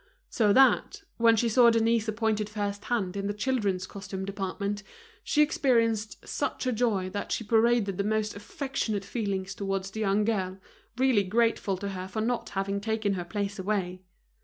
So that, when she saw Denise appointed first hand in the children's costume department, she experienced such joy that she paraded the most affectionate feeling towards the young girl, really grateful to her for not having taken her place away.